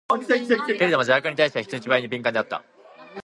けれども邪悪に対しては、人一倍に敏感であった。